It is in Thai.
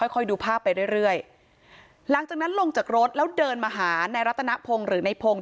ค่อยดูภาพไปเรื่อยเรื่อยหลังจากนั้นลงจากรถแล้วเดินมาหานายรัตนพงศ์หรือในพงศ